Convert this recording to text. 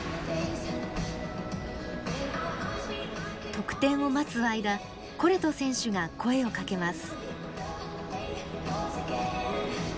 得点を待つ間コレト選手が声をかけます。